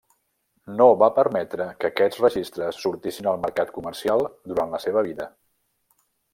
No va permetre que aquests registres sortissin al mercat comercial durant la seva vida.